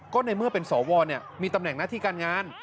ก็ในเมื่อเป็นสวมีตำแหน่งหน้าที่การงาน